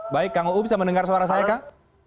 baik kang uu bisa mendengar suara saya kang